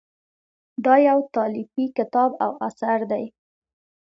دا یو تالیفي کتاب او اثر دی.